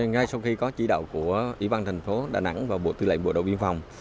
ngay sau khi có chỉ đạo của ủy ban thành phố đà nẵng và bộ tư lệnh bộ đội biên phòng